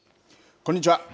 こんにちは。